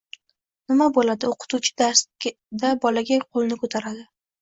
Nima bo'ladi, o'qituvchi darsda bolaga qo'lini ko'taradi